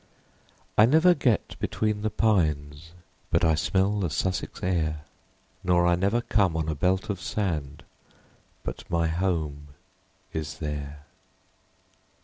I never get between the pines But I smell the Sussex air ; Nor I never come on a belt of sand But my home is there.